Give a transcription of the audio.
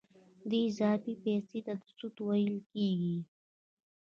دې اضافي پیسو ته سود ویل کېږي